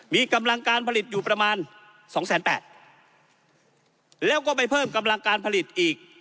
มีกำลังการผลิตอยู่ประมาณสองแสนแปดแล้วก็ไปเพิ่มกำลังการผลิตอีก